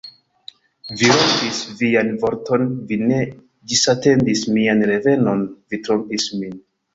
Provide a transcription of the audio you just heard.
Vi rompis vian vorton, vi ne ĝisatendis mian revenon, vi trompis min!